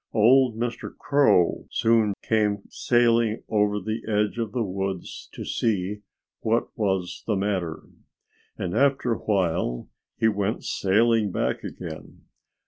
Old Mr. Crow soon came sailing over from the edge of the woods to see what was the matter. And after a while he went sailing back again.